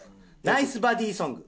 ナイスバディソング。